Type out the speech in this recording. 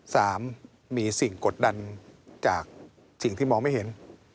สามมีสิ่งกดดันจากสิ่งที่มองไม่เห็น